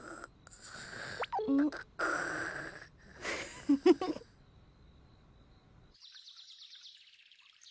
フフフッ。